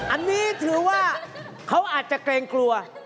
อันนี้ถือว่าเขาอาจจะเกรงกลัว